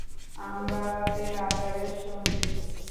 আমরা রাতের আঁধারের সঙ্গিনী।